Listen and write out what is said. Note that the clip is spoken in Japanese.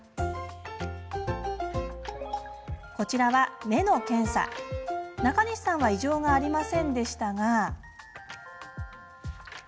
こちらは中西さんは異常がありませんでしたが。